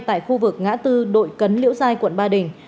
tại khu vực ngã tư đội cấn liễu giai quận ba đình